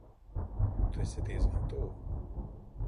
Tu esi diezgan tuvu.